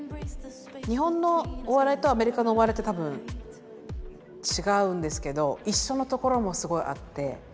日本のお笑いとアメリカのお笑いって多分違うんですけど一緒のところもすごいあって。